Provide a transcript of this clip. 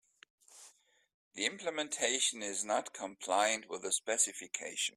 The implementation is not compliant with the specification.